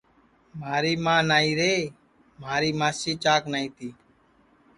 مھاری ماں نائیرے مھاری ماسی چاک نائی تی